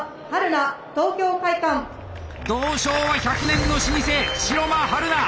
銅賞は１００年の老舗城間春菜！